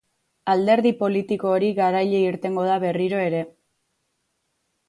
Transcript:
Alderdi politiko hori garaile irtengo da berriro ere